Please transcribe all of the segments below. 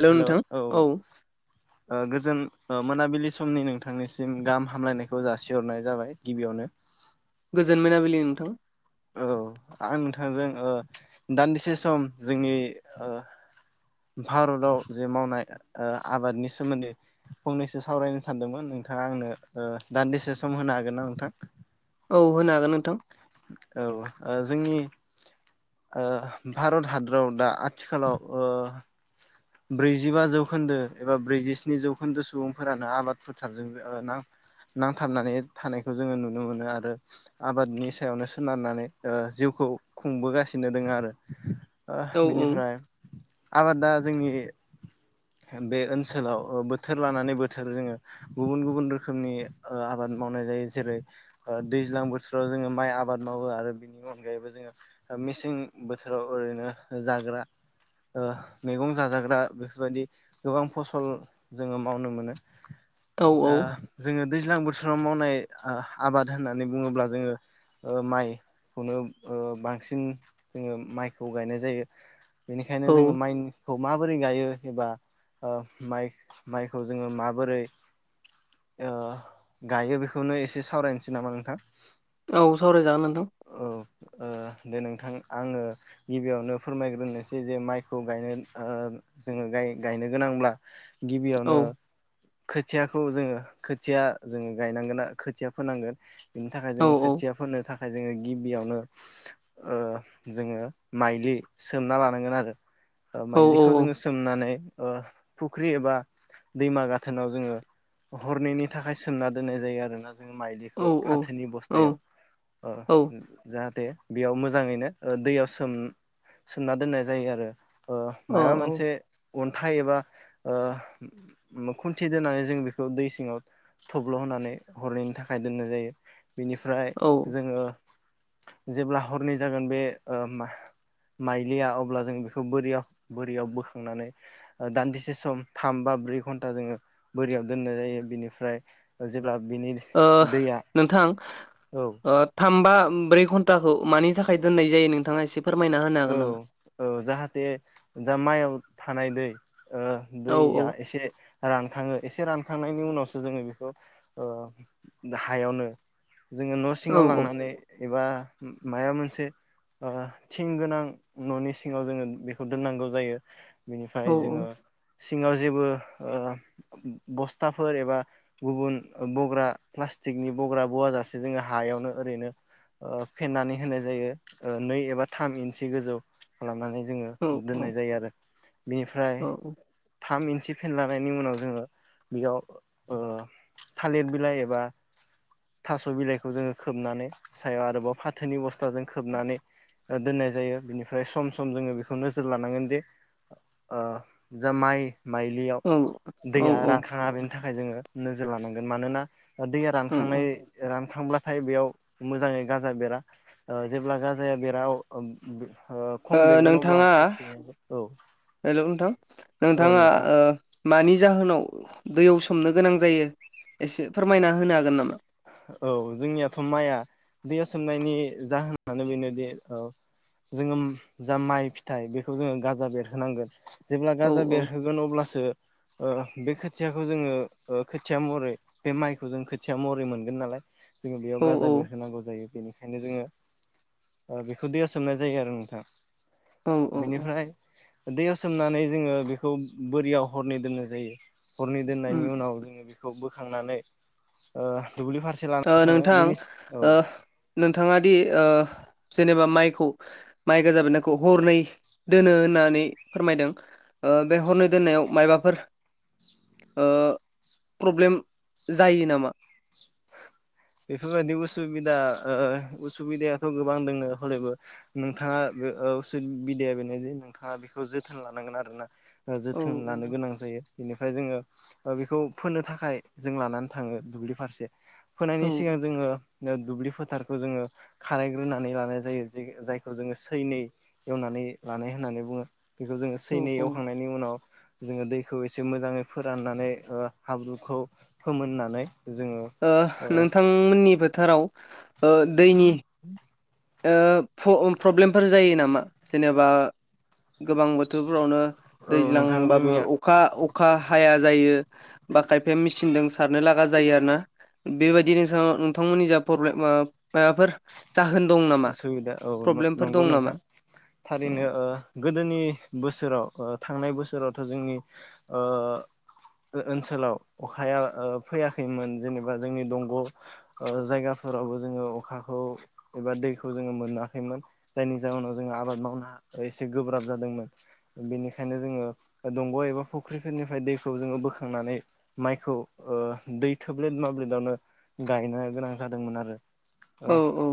Hello नोंथां औ गोजोन मोनाबिलि समनि नोंथांनिसिम गाहाम हामलायनायखौ जासिहरनाय जाबाय गिबियावनो गोजोन मोनाबिलि नोंथां औ आं नोंथांजों दान्दिसे सम जोंनि भारताव जे मावनाय आबादनि सोमोन्दै फंनैसो सावरायनो सानदोंमोन नोंथांङा आंनो दान्दिसे सम होनो हागोन ना नोंथां औ होनो हागोन नोंथां औ जोंनि भारत हादराव दा आथिखालाव ब्रैजिबा जौखोन्दो एबा ब्रैजिस्नि जौखोन्दो सुबुंफोरानो आबाद फोथारजों ना नांथाबनानै थानायखौ जोंङो नुनो मोनो आरो आबादनि सायावनो सोनारनानै जिउ खौ खुंबोगासिनो दंङो आरो औ बेनिफ्राय आबादा जोंनि बे ओनसोलाव बोथोर लानानै बोथोर जोंङो गुबुन गुबुन रोखोमनि आबाद आबाद मावनाय जायो जेरै दैज्लां बोथोराव जोंङो माइ आबाद मावो आरो बिनि अनगायैबो जोंङो मेसें बोथोराव ओरैनो जाग्रा मैगं जाजाग्रा बेफोरबायदि गोबां फसल जोंङो मावनो मोनो औ जोंङो दैज्लां बोथोराव मावनाय आबाद होननानै बुंङोब्ला जोंङो ओ माइखौनो ओ बांसिन जोंङो माइखौ गायनाय जायो। बेनिखायनो औ जोंङो माइ खौ माबोरै गायो एबा म माइखौ जोंङो माबोरै ओ गायो बेखौनो एसे सावरायनोसै नामा नोंथां औ सावराय जागोन नोंथां औ दे नों आङो गिबियावनो फोरमायग्रोनोसै जे माइखौ गायनो जोङो नो गोनांब्ला औ गिबियावनो खोथियाखौ जोङो खोथिया जोङो गायनांगोन जों खोथिया फोनांगोन बिनि थाखाय औ जोङो खोथिया फोनो थाखाय ओमफ्राय जोङो गिबियावनो ओ जोङो माइलि सोमना लानांगोन आरो औ औ माइलिखौ जोङो सोमनानै ओ फुख्रि एबा दैमा गाथोनाव जोङो हरनैनि थाखाय सोमना दोननाय जायो आरोना जों औ माइलिखौ औ फाथोनि बस्थायाव जाहाथे बेयाव मोजाङैनो दैयाव सोम सोमना दोननाय जायो आरो ओ अ औ मायोबा औ मोनसे अन्थाइ एबा खुन्थि दोननानै जों बेखौ दै सिङाव थब्ल' होनानै हरननि थाखाय दोननाय जायो बेनिफ्राय जोङो जेब्ला हरनै जागोन बे माइ माइलिया अब्ला जों बेखौ बोरियाव बोरियाव बोखांनानै दान्दिसे सम थामबा ब्रै घन्टा जों बोरियाव दोननाय जायो बिनिफ्राय जेब्ला बिनि दैया नोंथां औ थाम बा ब्रै घन्टाखौ मानि थाखाय दोननाय जायो नोंथाङा एसे फोरमायना होनो हागोन नामा दा माइआव थानाय दै औ औ दैया एसे रानखाङो एसे रानखांनायनि उनावसो जोङो बेखौ हायावनो जोङो न' औ सिङाव औ लांनानै एबा माबा मोनसे थिं गोनां न'नि सिङाव जोङो बेखौ दोननांगौ जायो बिनिफ्राय औ जोङो सिङाव जेबो बस्थाफोर एबा गुबुन बग्रा प्लास्टि प्लास्टिकनि बग्रा बवाजासे जोङो हायावनो ओरैनो फेननानै होनाय जायो नै एबा थाम इन्सि गोजौ खालामनानै जोङो औ दोननाय जायो आरो बेनिफ्राय औ थाम इन्सि फेनलांनि उनाव जोङो बेयाव थालिर बिलाइ एबा थास' बिलाइखौ जोङो खोबनानै सायाव आरोबाव फाथोनि बस्थाजों खोबनानै दोननाय जायो बिनिफ्राय सम सम जोङो बेखौ नोजोर लानांगोन जे जा माइ माइलियाव औ दैया औ रानखांङा बेनो थाखाय जोङो नोजोर लानांगोन मानोना दै थांनाय रान थांब्लाथाय बेयाव मोजाङै गाजा बेरा जेब्ला गाजाया बेरा अब्ला खम ओ बेरगोन अब्ला खोथियाखौ हेलौ नोंथां नोंथाङा मानि जाहोनाव दैयाव सोमनो गोनां जायो एसे फोरमायना होनो हागोन नामा? औ जोंनियाथ' माइआ दैयाव सोमनायनि जाहोनानो बेनोदि औ जोङो जा माइ फिथाइ बेखौ जोङो गाजा बेरहोनांगोन जेब्ला औ गाजा औ बेरहोगोन अब्लासो ओ बे खोथियाखौ जोङो ओ खोथिया महरै बे माइखौ जोंङो खोथिया महरै मोनगोन नालाय जोङो बेयाव औ गाजा बेरहोनांगौ जायो जेरै ओंखायनो जोङो ओ बेखौ दैया सोमनाय जायो आरो नोंथां औ औ औ बेनिफ्राय दैयाव सोम सोमनानै जोङो बेखौ बोरियाव हरनै दोननाय जायो हरनै दोननायनि उम उनाव जोङो बेखौ बो खांनानै ओ फारसे लाना थ' थाङो नोंथां बिनि औ ओ नोंथाङा दि ओ जेनेबा माइखौ माइ गोजाबनायखौ हरनै दोनो होननानै फोरमायदों ओ बे हरनै दोननायाव मायबाफोर ओ प्रब्लेम जायो नामा? बेफोरबायदि उसुबिदा ओ उसुबिदायाथ' गोबां दोङ हलेबो नोंथां ओ उसुबिदाया बेनो जे नोंथाङा बेखौ जोथोन लानांगोन आरो ना औ जोथोन लानो गोनां जायो बेनिफ्राय जोङो बेखौ फोनो थाखाय जों लानानै थाङो दुब्लि फारसे औ फोनायनि सिगां जोङो जो दुब्लि फोथारखौ जोङो खारायग्रोनानै लानाय जायो जायखौ जोङो सैनै एवना नै लानाय होननानै बुङो बेखौ जोङो औ सैनै औ एवखांनायनि उनाव जोङो दैखौ एसे मोजाङै फोराननानै ओ हाब्रुखौ फोमोननानै जोङो ओ ओ नोंथांमोननि फोथाराव ओ दैनि ओ प्र प्रब्लेमफोर जायो नामा जेनेबा गोबां बोथोरफोरावनो औ नोंथां दैज्लांबाबो जोंनिया अखा अखा हाया जायो बा खायफाया मेचिनजों सारनो लागा जायो आरोना बेबायदि नोंथां नोंथांमोननि जा प्रब्लेम माबाफोर जाहोन दं नामा उसुबिदा औ नं प्रब्लेमफोर नंगौ दं नामा? नोंथां औ थारैनो ओ गोदोनि बोसोराव ओ थांनाय बोसोरावथ' जोंनि ओ ओनसोलाव अखाया ओ फैयाखैमोन जेनेबा जोंनि दंग' ओ जायगा फोरावबो जोङो अखाखौ एबा दैखौ जोङो मोनाखैमोन जायनि जाहोनाव जोङो आबाद मावनाय एसे गोब्राब जादोंमोन बेनिखायनो जोङो दंग' एबा फुख्रिफोरनिफ्राय दैखौ जोङो बोखांनानै माइखौ ओ दै थोब्लेट माब्लेदावनो गायनो गोनां जादोंमोन आरो ओ औ औ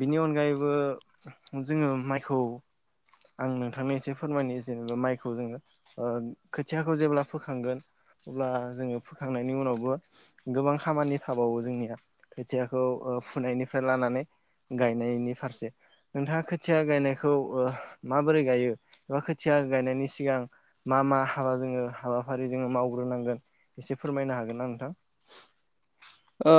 बेनि अनगायैबो जोङो माइखौ आं नोंथांनि एसे फोरमायनो जेनेबा माइखौ जोङो ओ खोथियाखौ जेब्ला फोखांगोन अब्ला जोङो फोखांनायनि उनावबो गोबां खामानि थाबावो जोंनिया खोथियाखौ ओ फुनायनिफ्राय लानानै गायनायनि फारसे नोंथाङा खोथिया गायनायखौ ओ माबोरै गायो एबा खोथिया गायनायनि सिगां मा मा हाबा जोङो हाबाफारि जोङो मावग्रो नांगोन एसे फोरमायनो हागोन ना नोंथां ओ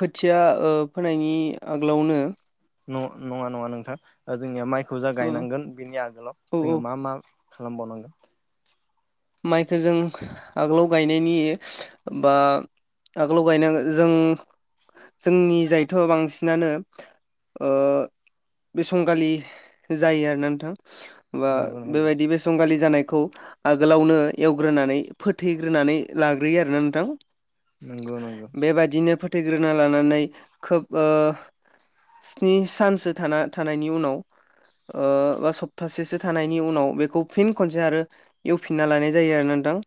खोथिया ओ फोनायनि आगोलावनो न नङा नङा नोंथां जोंनिया माइखौ जा ओ गायनांगोन बेनि आगोलाव औ जोङो औ मा मा खालाम बावनांगोन माइखो जों आगोलाव गायनायनि बा आगोलाव गायनांगोन जों जोंनि जायथ' बांसिनानो ओ बिसंगालि जायो आरोना नोंथां बा नंगौ नंगौ बेबायदि बिसंगालि जानायखौ आग आगोलावनो एवग्रोनानै फोथैग्रोनानै लाग्रोयो आरोना नोंथां नंगौ नंगौ बेबादिनो फोथैग्रोना लानानै खोब ओ स्नि सानसो थाना थानायनि उनाव ओ बा सप्तासेसो थानायनि उनाव बेखौ फिन खनसे आरो एवफिनना लानाय जायो आरो नोंथां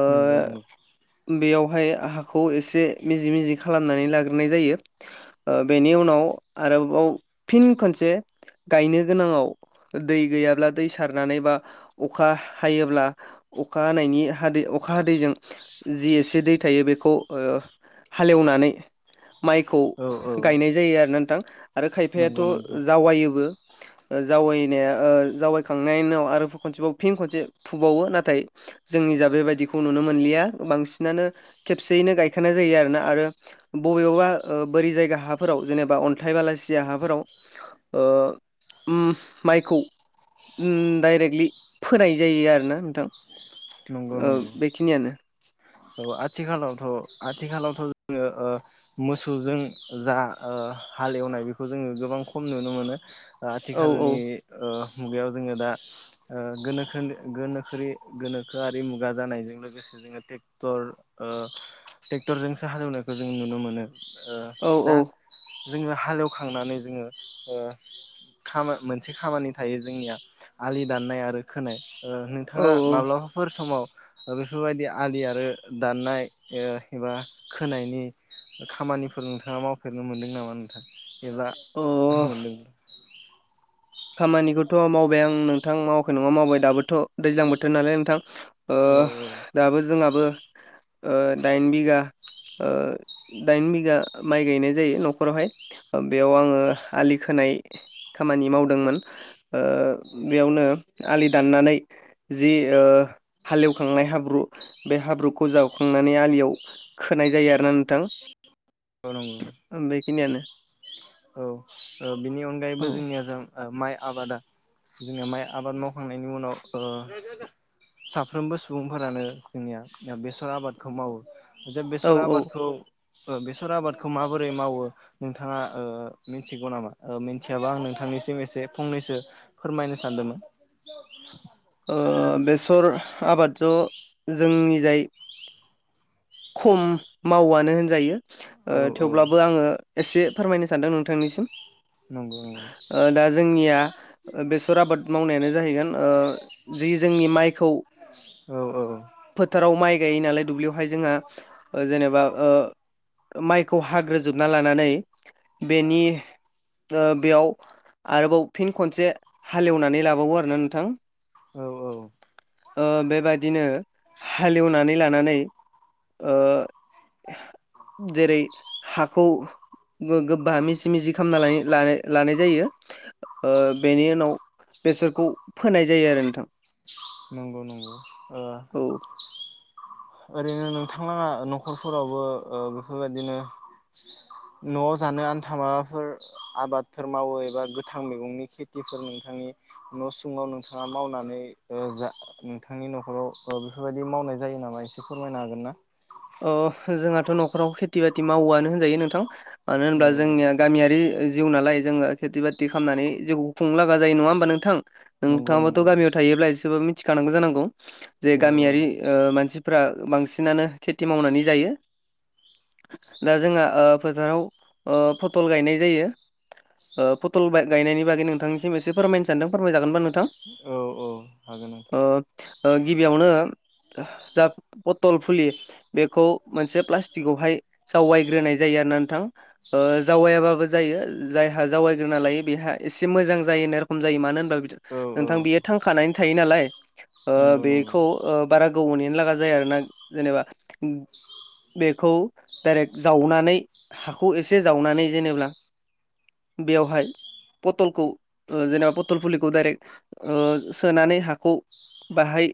ओ नंगौ नंगौ। बेयावहाय हाखौ एसे मिजि मिजि खालामनानै लाग्रोनाय जायो बेनि उनाव। आरोबाव फिन खनसे गायनो गोनाङाव दै गैयाब्ला दै सारनानै बा अखा। हायोब्ला अखा हानायनि हादै अखा हादैजों जि एसे दै थायो बेखौ हालेवनानै। माइखौ औ औ गायनाय जायो आरो ना नोंथां आरो खायफायाथ' नंगौ नंगौ जावायोबो। जावनाया जावैखांनायनि उनाव आरो खनसेबाव फिन खनसे फुबावो नाथाय जोंनि जा बेबायदिखौ नुनो मोनलिया बांसिनानो खेबसेयैनो गायखानाय जायो आरोना आरो बबेबा बोरै जायगा हाफोराव जेनेबा अन्थाइ बालासिया हाफोराव माइखौ दाइरेक्लि फोनाय। जायो आरो ना नोंथां। नंगौ ओ बेखिनियानो नंगौ आथि खाालावथ आथि खालावथ' जोङो मोसौजों जा हालेवनाय बेखौ जोङो गोबां खम नुनो मोनो औ औ आथिखालनि मुगायाव जोङो दा गोनोखो गोखोनि गोनोखोआरि मुगा जानायजों लोगोसे जोङो ट्रेक्टर ट्रेक्टरजोंसो हालेवनायखौ जों नुनो मोनो औ दा जोङो हालेवखांनानै जोङो खामानि मोनसे खामानि थायो जोंनिया आलि दाननाय आरो खोनाय। औ नोंथाङा माब्ला। समाव बेफोरबायदि आलि आरो दाननाय एबा खोनायनि खामानिफोर नोंथाङा मावफेरनो मोनदों नामा नोंथाङा एब्ला औ अ मोनदों। खामानिखौथ' मावबाय आं नोंथां मावाखै नङा मावबाय दाबोथ' दैज्लां बोथोर नालाय नोंथां। ओ औ औ दाबो जोंहाबो दाइन बिघा दाइन बिघा माइ गायनाय जायो न'खरावहाय बेयाव आङो आलि खोनाय। खामानि मावदों। मावदोंमोन ओ बेयावनो आलि दाननानै जि ओ हालेवदोंमोन जखांनाय हाब्रु बे हाब्रुखौ जावखांनानै आलियाव खोनाय जायो आरोना नोंथां। ओ नंगो। बिखिनियानो औ औ बिनि औ अनगायैबो जोंनिया जों। माइ आबादा जोङो माइ आबाद मावखांनायनि उनाव। साफ्रोमबो सुबुंफोरानो जोंनिया बेसर आबादखौ मावो। जे औ बेसर औ आबादखौ बेसर आबादखौ माबोरै मावो नोंथाङा। मिथिगौ नामा मिथियाबा आं नोंथांनिसिम एसे फंनैसो फोरमायनो सानदोंमोन। ज बेसर आबाद ज जोंनि जाय खम मावनो होनजायो औ औ थेवब्लाबो आङो। एसे फोरमायनो सानदों नोंथांनिसिम नंगौ। नंगौ दा जोंनिया बेसर आबाद मावनायानो जाहैगोन जि जोंनि माइ। खौ। औ औ। फोथाराव माइ गाय नालाय दुब्लियावहाय जोंहा जेनेबा माइखौ खौ हाग्रोजोबना लानानै बेनि बेयाव आरोबाव फिन खनसे हालेवनानै लाबावो आरोना नोंथां औ औ ओ बेबादिनो हालेवनानै लानानै ओ जेरै हाखौ गोबा मिसि मिजि खालामना लायो ला-लानाय जायो ओ बेनि उनाव बेसरखौ फोनाय जायो आरो नोंथां नंगौ नंगौ ओ औ [unintelligible] ओरैनो नोंथाङा नखरफोरावबो ओ बेफोरबायदिनो न'आव जानो आन्था माबाफोर आबादफोर मावो एबा गोथां मैगंनि खेथिफोरनि नोंथांनि न' सुङाव नोंथाङा मावनानै ओ जा नोंथांनि नखराव बेफोरबायदि मावनाय जायो नामा एसे फोरमायनो हागोन ना अ जोंहाथ' नखराव खेथि बाथि मावोआनो होनजायो नोंथां मानो औ होनब्ला औ जोंनिया गामियारि जिउ नालाय जोङो खेथि बाथि खामनानै जिउ खुंनो लागा जायो नङा होमबा नोंथां नंगौ नोंथाङाबोथ' नंगौ गामियाव थायोब्ला एसेबाबो मिथिखानांगौ जानांगौ जे औ गामियारि ओ मानसिफ्रा बांसिनानो खेथि मावनानै जायो दा जोंहा ओ फोथाराव ओ फटल गायनाय जायो ओ फटल बाय गायनायनि बागै नोंथांनिसिम एसे फोरमायनो सानदों फोरमाय जागोनबा नों औ औ हागोन नोंथां ओ गिबियावनो जा पथल फुलि बेखौ मोनसे प्लास्टिगावहाय जावायग्रोनाय जायो आरो ना नोंथां ओ जावायाबाबो जायो जायहा जावायग्रोना लायो बेहा एसे मोजां जायो नाय रखम जायो मानो होन बा बिथ औ औ नोंथां बियो थांखानानै थायो नालाय ओ नंगौ नंगौ बेखौ ओ बारा गोबाव नेनो लागा जायो आरो ना जेनेबा [inaudible] बेखौ डाइरेक जावनानै हाखौ एसे जावनानै जेनेब्ला बेवहाय पथलखौ ओ जेनेबा पटल फुलिखौ डाइरेक ओ सोनानै हाखौ बाहाय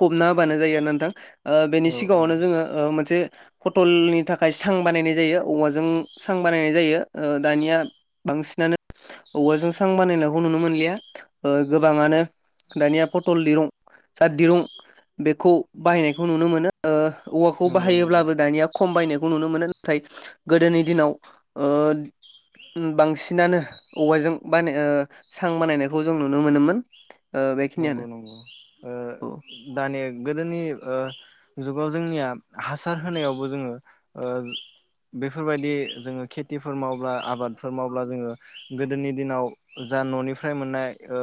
फबना होबानो जायो आरो ना नोंथां ओ बेनि औ औ सिगाङावनो जोङो ओ मोनसे फटलनि थाखाय सां बानायनाय जायो औवाजों सां बानायनाय जायो ओ दानिया बांसिनानो औवाजों सां बानायनायखौ नुनो मोनलिया ओ गोबाङानो दानिया पटल दिरुं जा दिरुं बेखौ बाहायनायखौ नुनो मोनो ओ औवाखौ नंगौ नंगौ बाहायोब्लाबो दानिया खम बायना खौ नुनो मोनो नाथाय गोदोनि दिनाव ओ उम बांसिनानो औवाजों बानाय ओ सां बानायनायखौ जों नुनो मोनोमोन ओ नंगौ बेखिनियानो नंगौ ओ औ दानि गोदोनि ओ जुगाव जोंनिया हासार होनायावबो जोङो ओ बेफोरबायदि जोङो खेथिफोर मावब्ला आबादफोर मावब्ला जोङो गोदोनि दिनाव दा ननिफ्राय मोननाय ओ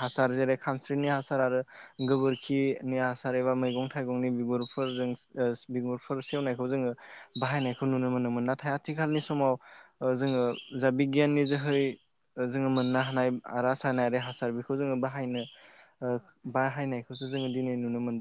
हासार जेरै खानस्रिनि हासार आरो गोबोरखिनि हासार एबा मैगं थाइगंनि बिगुरफोरजों ओ बिगुरफोर सेवनायखौ जोङो बाहायनायखौ नुनो मोनोमोन नाथाय आथिखालनि समाव ओ जोङो जा बिगियाननि जोहै जोङो मोननो हानाय रासायनारि हासार बेखौ जोङो बाहायनो ओ बाहायनायखौसो जोङो दिनै नुनो मोनदों